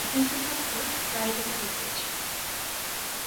এথেন্সে থাকতে স্প্রাইট এটা রটিয়েছিল।